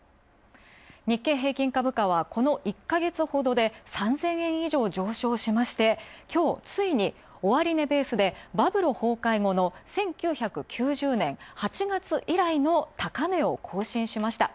日経平均株価は、この１か月ほどで３０００円以上上昇しまして、きょう、ついに終値ベースでバブル崩壊後の１９９０年８月以来の高値を更新しました。